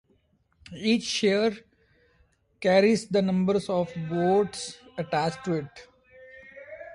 Each share carries the number of votes attached to it.